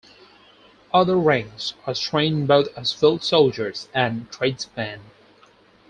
Other ranks are trained both as field soldiers and tradesmen.